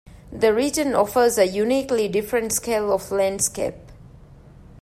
This region offers a uniquely different scale of landscape.